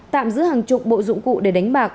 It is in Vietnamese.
tạm giữ hàng chục bộ dụng cụ để đánh bạc